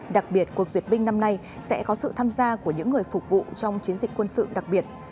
đặc biệt cuộc duyệt binh năm nay sẽ có sự tham gia của những người phục vụ trong chiến dịch quân sự đặc biệt